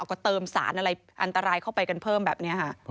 ก็เติมสารอะไรอันตรายเข้าไปกันเพิ่มแบบนี้ค่ะ